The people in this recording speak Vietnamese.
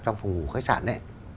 trong phòng ngủ khách sạn